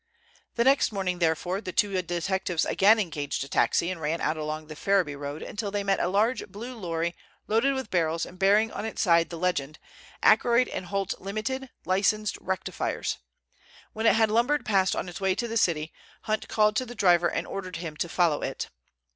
The next morning, therefore, the two detectives again engaged a taxi and ran out along the Ferriby road until they met a large blue lorry loaded with barrels and bearing on its side the legend "Ackroyd & Holt Ltd, Licensed Rectifiers." When it had lumbered past on its way to the city, Hunt called to the driver and ordered him to follow it.